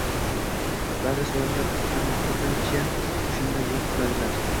Ba’zi shoirlar ham ko’pincha shunday yo’l tutadilar